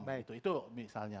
nah itu itu misalnya